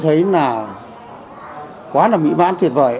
thấy là quá là mỹ bán tuyệt vời